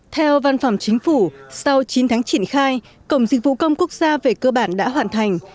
theo văn phòng chính phủ sau chín tháng triển khai cổng dịch vụ công quốc gia về cơ bản đã hoàn thành